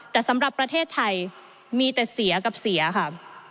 แต่สำหรับประเทศไทยมีแต่เสียกับเสียค่ะ